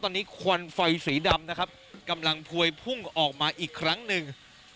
ตอนนี้ควันไฟสีดำนะครับกำลังพวยพุ่งออกมาอีกครั้งหนึ่ง